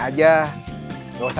aku mau ke rumah